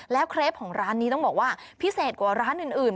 แล้วเครปของร้านนี้ต้องบอกว่าพิเศษกว่าร้านอื่น